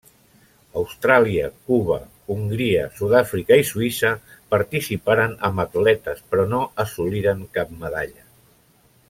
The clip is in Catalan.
Austràlia, Cuba, Hongria, Sud-àfrica, i Suïssa participaren amb atletes però no assoliren cap medalla.